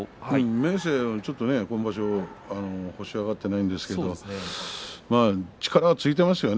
明生は今場所星が挙がっていませんけど力はついていますよね